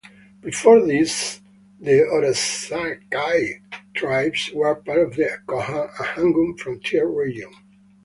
Before this, the Orakzai tribes were part of the Kohat and Hangu Frontier region.